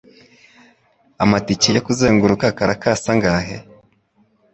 Amatike yo kuzenguruka Caracas angahe?